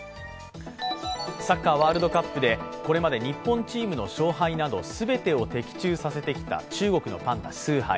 サッカーワールドカップでこれまで日本チームの勝敗など全てを的中させてきた中国のパンダ、スーハイ。